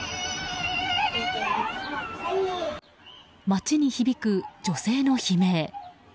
街に響く、女性の悲鳴。